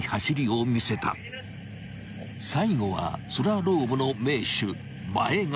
［最後はスラロームの名手前川］